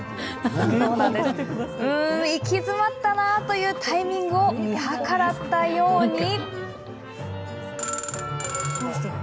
うーん、行き詰まったなあというタイミングを見計らったように。